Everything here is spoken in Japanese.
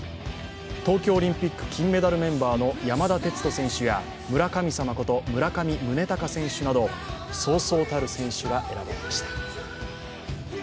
東京オリンピック金メダルメンバーの山田哲人選手や村神様こと村上宗隆選手などそうそうたる選手が選ばれました。